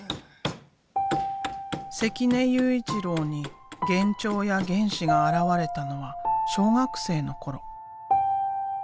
関根悠一郎に幻聴や幻視が現れたのは小学生の頃。